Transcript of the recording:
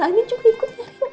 kalau bekerja sebentar